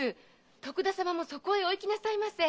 徳田様もそこへお行きなさいませ。